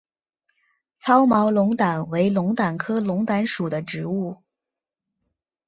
糙毛龙胆为龙胆科龙胆属的植物。